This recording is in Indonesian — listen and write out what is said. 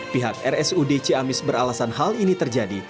pihak rsud ciamis beralasan hal ini terjadi